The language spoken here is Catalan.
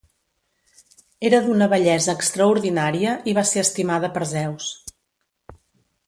Era d'una bellesa extraordinària i va ser estimada per Zeus.